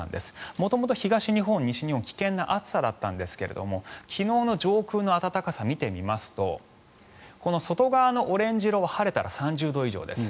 元々、東日本、西日本は危険な暑さだったんですが昨日の上空の暖かさを見てみますとこの外側のオレンジ色は晴れたら３０度以上です。